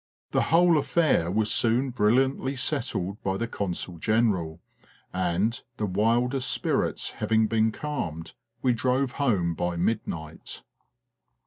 The whole affair was soon brilliantly settled by the Consul General, and, the wildest spirits having been calmed, we drove home by midnight.